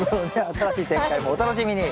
新しい展開もお楽しみに。